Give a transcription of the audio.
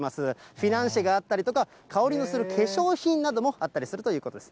フィナンシェがあったりとか、香りのする化粧品などもあったりするということです。